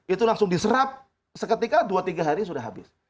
itu langsung diserap seketika dua tiga hari sudah habis